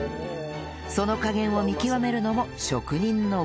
その加減を見極めるのも職人の技